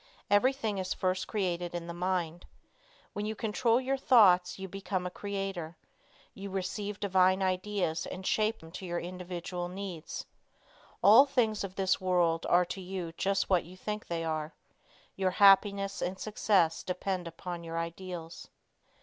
Everything is first created in the mind. When you control your thoughts you become a creator. You receive divine ideas and shape them to your individual needs. All things of this world are to you just what you think they are. Your happiness and success depend upon your ideals.